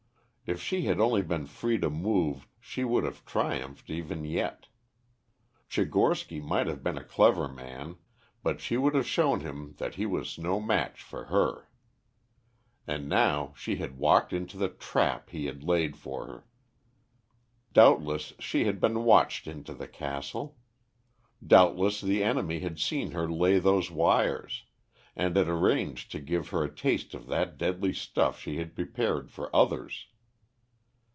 If she had only been free to move she would have triumphed even yet. Tchigorsky might have been a clever man, but she would have shown him that he was no match for her. And now she had walked into the trap he had laid for her. Doubtless she had been watched into the castle; doubtless the enemy had seen her lay those wires, and had arranged to give her a taste of that deadly stuff she had prepared for others.